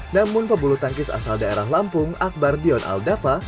namun pembuluh tangis asal daerah lampung akbar dion aldafa